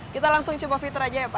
kita langsung coba fitter aja ya pak